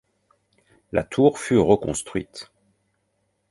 La tour fut reconstruite.